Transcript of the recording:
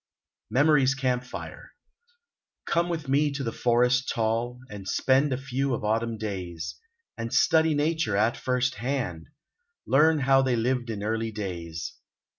*MEMORY'S CAMP FIRE* Come with me to the forest tall, And spend a few of autumn days, And study nature at first hand, Learn how they lived in early days.